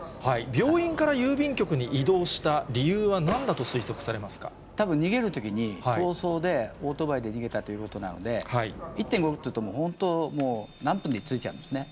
病院から郵便局に移動した理たぶん逃げるときに、逃走でオートバイで逃げたっていうことなので、１．５キロというと、本当もう、何分で着いちゃうんですね。